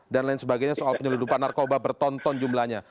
dan lain sebagainya soal penyeludupan narkoba bertonton jumlanya